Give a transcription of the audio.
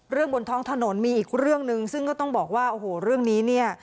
บนท้องถนนมีอีกเรื่องหนึ่งซึ่งก็ต้องบอกว่าโอ้โหเรื่องนี้เนี่ย